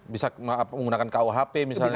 bisa menggunakan kuhp misalnya